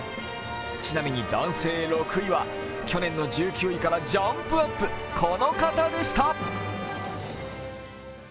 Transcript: ちなみに男性６位は、去年の１９位からジャンプアップ、この方でした。